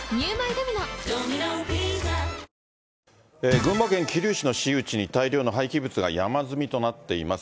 群馬県桐生市の私有地に大量の廃棄物が山積みとなっています。